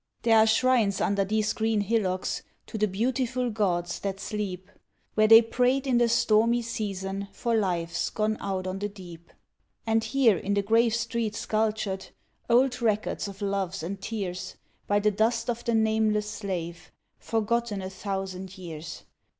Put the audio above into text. There are shrines under these green hillocks to the beautiful gods that sleep, Where they prayed in the stormy season for lives gone out on the deep; And here in the grave street sculptured, old record of loves and tears, By the dust of the nameless slave, forgotten a thousand years.